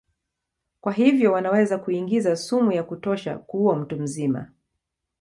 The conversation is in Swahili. Kwa hivyo wanaweza kuingiza sumu ya kutosha kuua mtu mzima.